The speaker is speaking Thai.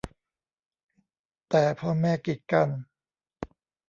แต่พ่อแม่กีดกัน